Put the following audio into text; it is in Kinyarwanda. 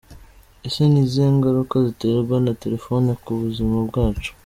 Ese ni izihe ngaruka ziterwa na telephone ku buzima bwacu?.